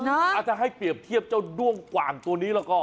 อาจจะให้เปรียบเทียบเจ้าด้วงกว่างตัวนี้แล้วก็